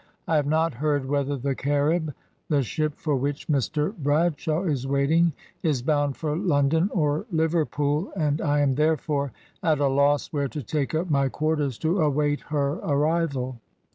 I have not heard whether the Carib, the ship for which Mr Bradshaw is waiting, is bound for London or Liverpool, and I am, therefore, at a loss where to take up my quarters to await her arrival.